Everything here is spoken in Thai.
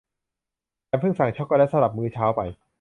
ฉันพึ่งสั่งช็อคโกแลตสำหรับมื้อเช้าไป